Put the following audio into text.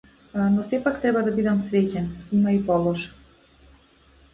Но сепак, треба да бидам среќен, има и полошо.